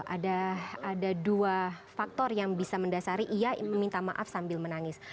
ada dua faktor yang bisa mendasari ia meminta maaf sambil menangis